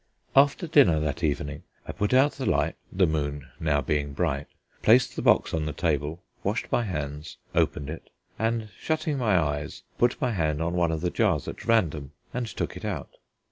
After dinner that evening I put out the light the moon being now bright placed the box on the table, washed my hands, opened it and, shutting my eyes, put my hand on one of the jars at random and took it out.